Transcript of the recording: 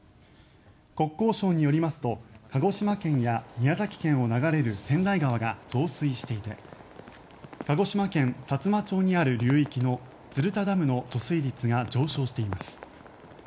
国交省によりますと鹿児島県や宮崎県を流れる川内川が増水していて鹿児島県さつま町にある流域の鶴田ダムの貯水率が上昇しています。